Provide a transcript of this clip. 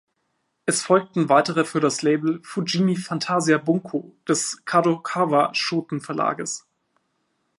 Es folgten weitere für das Label "Fujimi Fantasia Bunko" des Kadokawa-Shoten-Verlages.